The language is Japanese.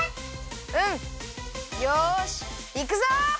うん！よしいくぞ！